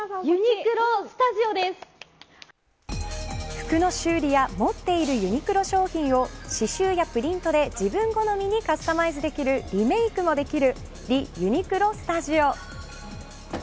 服の修理や持っているユニクロ商品を刺しゅうやプリントで自分好みにカスタマイズできるリメークもできるＲＥ．ＵＮＩＱＬＯＳＴＵＤＩＯ。